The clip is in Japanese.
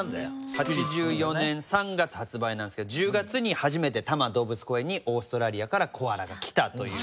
８４年３月発売なんですけど１０月に初めて多摩動物公園にオーストラリアからコアラが来たという年。